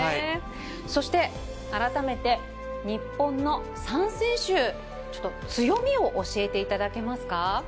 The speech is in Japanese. そして改めて日本の３選手の強みを教えていただけますか。